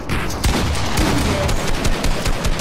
Zeyyed-as.